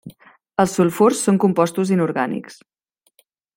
Els sulfurs són compostos inorgànics.